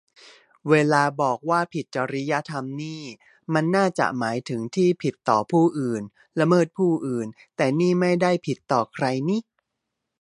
เวลาบอกว่าผิดจริยธรรมนี่ มันน่าจะหมายถึงที่ผิดต่อผู้อื่น ละเมิดผู้อื่น แต่นี่ไม่ได้ผิดต่อใครนิ